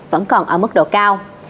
vẫn còn ở mức độ cao